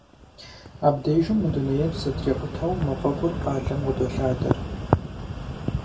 Абдежым мы дунейр зэтрикъутэу мафӏэгур къалэм къыдолъадэр.